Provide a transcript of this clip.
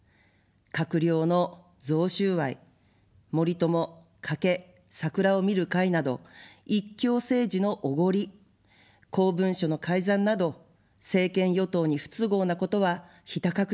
閣僚の贈収賄、森友・加計・桜を見る会など一強政治のおごり、公文書の改ざんなど政権与党に不都合なことはひた隠し。